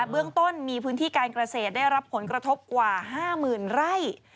เบื้องต้นมีพื้นที่การเกษตรได้รับผลกระทบกว่า๕๐๐๐ไร่